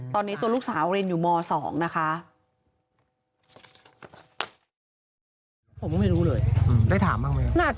ตอนนี้ตัวลูกสาวเรียนอยู่ม๒นะคะ